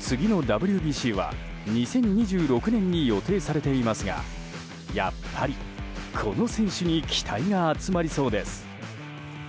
次のＷＢＣは２０２６年に予定されていますがやっぱり、この選手に期待が集まりそうです。